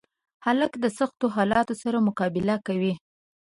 هلک د سختو حالاتو سره مقابله کوي.